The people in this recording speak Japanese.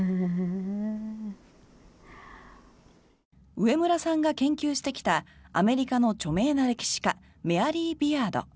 上村さんが研究してきたアメリカの著名な歴史家メアリー・ビアード。